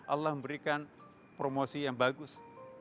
allah memberikan promosi yang bagus